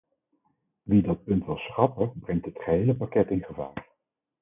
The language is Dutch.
Wie dat punt wil schrappen brengt het gehele pakket in gevaar.